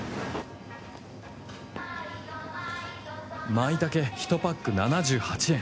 まいたけ１パック７８円